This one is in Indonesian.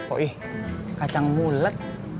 oh ih kacang mulet